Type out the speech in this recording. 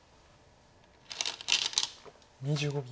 ２５秒。